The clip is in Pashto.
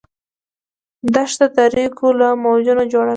دښته د ریګو له موجونو جوړه ده.